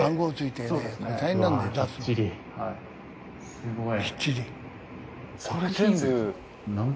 すごい。